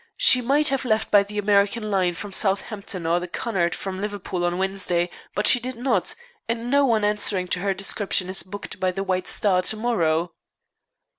She might have left by the American line from Southampton or the Cunard from Liverpool on Wednesday, but she did not, and no one answering to her description is booked by the White Star to morrow."